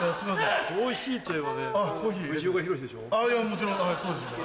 もちろんそうですね。